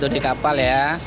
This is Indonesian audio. di kapal ya